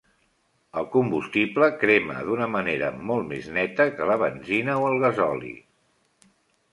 El combustible crema d'una manera molt més neta que la benzina o el gasoli.